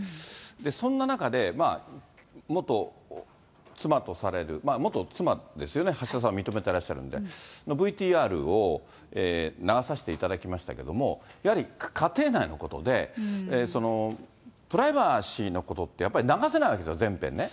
そんな中で、元妻とされる、元妻ですよね、橋田さん認めてらっしゃるんで、ＶＴＲを流させていただきましたけども、やはり家庭内のことで、プライバシーのことって、やっぱり流せないわけですよ、全編ね。